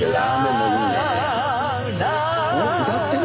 歌ってる？